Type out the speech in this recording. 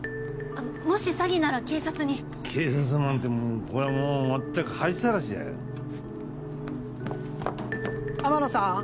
あのもし詐欺なら警察に警察なんてもうこれはもう全く恥さらしじゃ天野さん